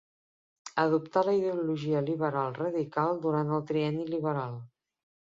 Adoptà la ideologia liberal radical durant el trienni liberal.